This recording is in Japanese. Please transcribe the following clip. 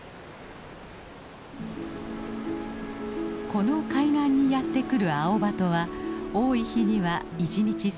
この海岸にやって来るアオバトは多い日には１日３，０００羽以上。